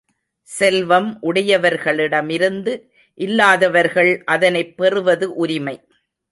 செல்வம் உடையவர்களிடமிருந்து இல்லாதவர்கள் அதனைப் பெறுவது உரிமை.